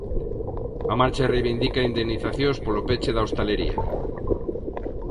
A marcha reivindica indemnizacións polo peche da hostalería.